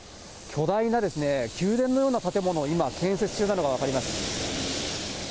巨大な宮殿のような建物、今、建設中なのが分かります。